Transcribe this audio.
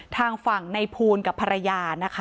ทางฝั่งในภูลกับภรรยานะคะ